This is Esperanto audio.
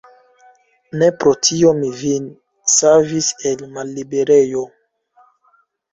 Ne pro tio mi vin savis el malliberejo.